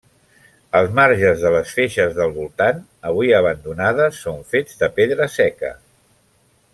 Els màrgens de les feixes del voltant, avui abandonades, són fets de pedra seca.